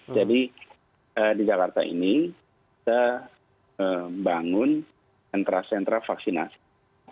jadi di jakarta ini kita membangun sentra sentra vaksinasi